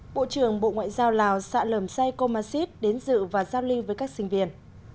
lào lào xạ lờm say comasit đến dự và giao lưu với các sinh viên